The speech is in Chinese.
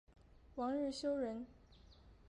王日休人。